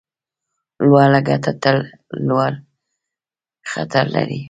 لوړه ګټه تل لوړ خطر لري.